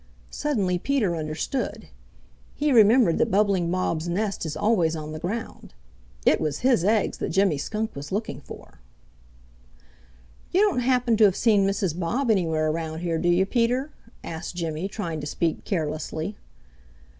Suddenly Peter understood. He remembered that Bubbling Bob's nest is always on the ground. It was his eggs that Jimmy Skunk was looking for. "You don't happen to have seen Mrs. Bob anywhere around here, do you, Peter?" asked Jimmy, trying to speak carelessly.